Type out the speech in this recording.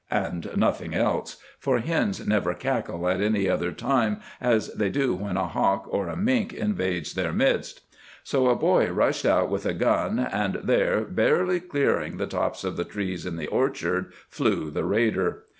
and nothing else, for hens never cackle at any other time as they do when a hawk or a mink invades their midst. So a boy rushed out with a gun, and there, barely clearing the tops of the trees in the orchard, flew the raider.